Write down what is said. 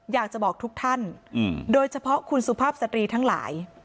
อยากจะบอกทุกท่านโดยเฉพาะคุณสุภาพสตรีทั้งหลาย